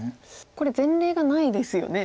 これ前例がないですよね。